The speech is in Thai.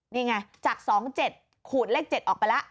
นี่ไงจาก๒๗ขูดเลข๗ออกไปแล้ว